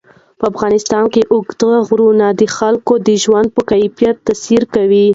په افغانستان کې اوږده غرونه د خلکو د ژوند په کیفیت تاثیر کوي.